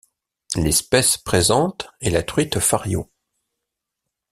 L'espèce présente est la truite fario..